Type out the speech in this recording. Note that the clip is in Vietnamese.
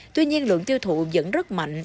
tuy nhiên lượng tiêu thụ vẫn rất mạnh